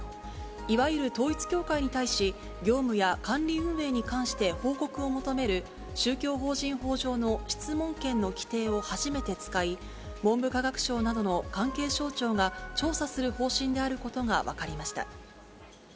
いわゆる統一教会に対し、業務や管理運営に関して報告を求める、宗教法人法上の質問権の規定を初めて使い、文部科学省などの関係省庁が調査する方針であることが分かりました。